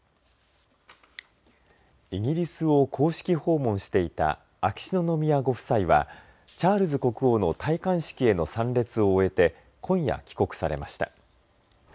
イギリスを公式訪問していた秋篠宮ご夫妻はチャールズ国王の戴冠式への参列を終えて今夜、帰国されました。